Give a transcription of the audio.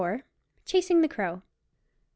CHASING THE "CROW." Mr.